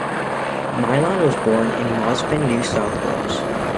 Meillon was born in Mosman, New South Wales.